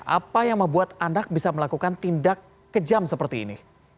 apa yang membuat anak bisa melakukan tindak kejam seperti ini